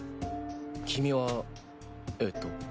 君はええと。